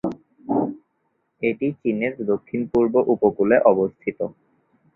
এটি চীনের দক্ষিণ-পূর্ব উপকূলে অবস্থিত।